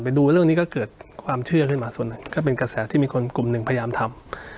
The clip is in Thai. ดูเรื่องนี้ก็เกิดความเชื่อขึ้นมาส่วนหนึ่งก็เป็นกระแสที่มีคนกลุ่มหนึ่งพยายามทำ